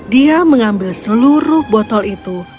dia mengambil seluruh botol itu